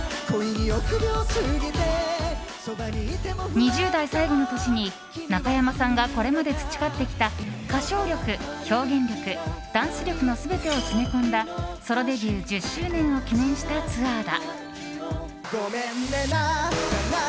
２０代最後の年に中山さんがこれまで培ってきた歌唱力、表現力、ダンス力の全てを詰め込んだソロデビュー１０周年を記念したツアーだ。